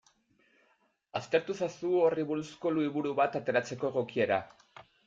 Aztertu ezazu horri buruzko liburu bat ateratzeko egokiera.